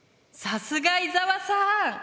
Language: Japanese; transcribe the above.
さすが伊沢さん！